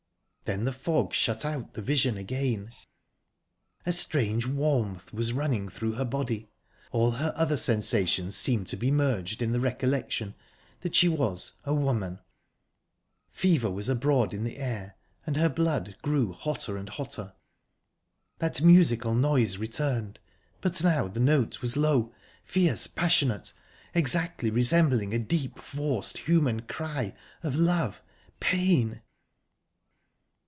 Then the fog shut out the vision again. A strange warmth was running through her body. All her other sensations seemed to be merged in the recollection that she was a woman...Fever was abroad in the air, and her blood grew hotter and hotter... That musical noise returned, but now the note was low, fierce, passionate, exactly resembling a deep, forced human cry of love pain...